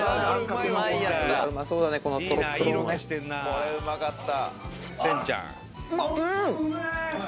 これうまかった！